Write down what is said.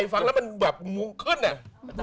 พี่ฟังแล้วมันแบบงงขึ้นเนี่ย